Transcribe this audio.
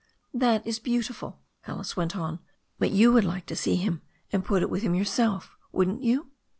"That is beautiful," Alice went on, "but you would like to see him, and put it with him yourself, wouldn't you?"